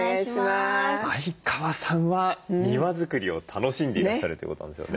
相川さんは庭づくりを楽しんでいらっしゃるということなんですよね。